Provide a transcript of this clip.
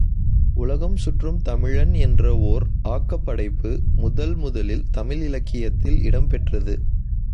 உலகம் சுற்றும் தமிழன் என்ற ஓர் ஆக்கப் படைப்பு முதல் முதலில் தமிழ் இலக்கியத்தில் இடம் பெற்றது.